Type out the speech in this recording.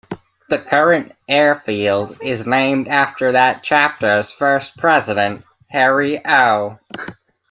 The current airfield is named after that chapter's first president, Harry O.